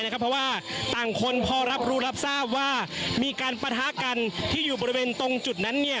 เพราะว่าต่างคนพอรับรู้รับทราบว่ามีการปะทะกันที่อยู่บริเวณตรงจุดนั้น